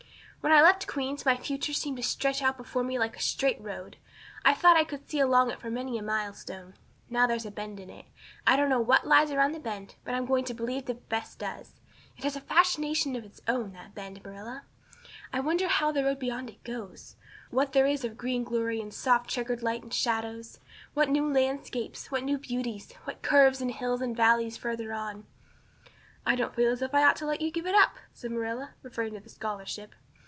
When I left Queen's my future seemed to stretch out before me like a straight road. I thought I could see along it for many a milestone. Now there is a bend in it. I don't know what lies around the bend, but I'm going to believe that the best does. It has a fascination of its own, that bend, Marilla. I wonder how the road beyond it goes what there is of green glory and soft, checkered light and shadows what new landscapes what new beauties what curves and hills and valleys further on." "I don't feel as if I ought to let you give it up," said Marilla, referring to the scholarship.